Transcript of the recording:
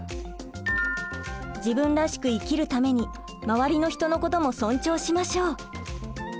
自分らしく生きるために周りの人のことも尊重しましょう。